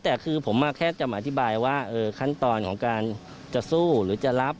แต่คือผมแค่จะมาอธิบายว่าขั้นตอนของการจะสู้หรือจะรับ